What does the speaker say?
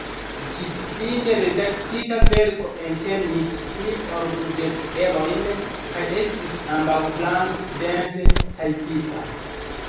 La ĝisfine redaktita verko entenis pli ol dudek erojn kaj estis ambaŭflanke dense tajpita.